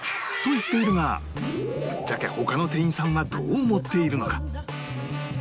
言っているがぶっちゃけ他の店員さんはどう思っているのか？